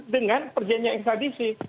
dengan perjanjian ekstradisi